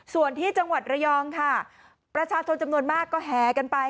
ส่วนที่จังหวัดระยองค่ะประชาชนจำนวนมากก็แหกันไป